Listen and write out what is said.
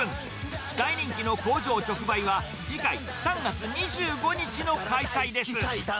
大人気の工場直売は次回、３月２５日の開催です。